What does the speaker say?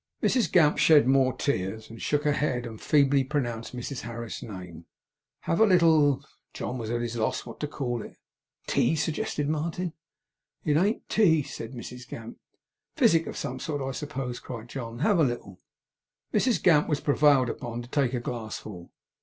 Mrs Gamp shed more tears, shook her head and feebly pronounced Mrs Harris's name. 'Have a little ' John was at a loss what to call it. 'Tea,' suggested Martin. 'It ain't tea,' said Mrs Gamp. 'Physic of some sort, I suppose,' cried John. 'Have a little.' Mrs Gamp was prevailed upon to take a glassful.